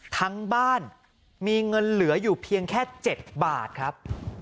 ทั้งบ้านมีเงินเหลืออยู่เพียงแค่๗บาทครับ